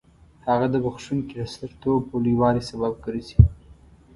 هغه د بخښونکي د سترتوب او لوی والي سبب ګرځي.